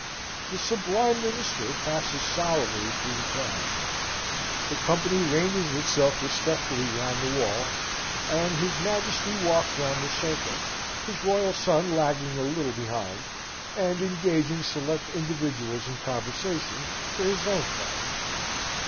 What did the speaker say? The sublime Minister passes solemnly through the crowd; the company ranges itself respectfully round the wall; and his Majesty walks round the circle, his royal son lagging a little behind, and engaging select individuals in conversation for his own part.